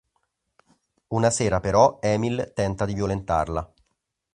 Una sera, però, Emil tenta di violentarla.